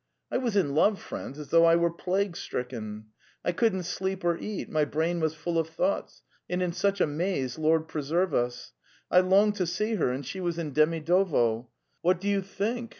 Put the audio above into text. I was in love, friends, as though I were plague stricken. I couldn't sleep or eat; my brain was full of thoughts, and in such a maze, Lord preserve us! I longed to see her, and she was in Demidovo. What do you think?